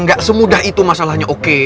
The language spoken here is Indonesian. nggak semudah itu masalahnya oke